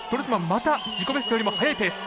また自己ベストよりも速いペース。